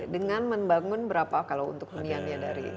dengan membangun berapa kalau untuk huniannya dari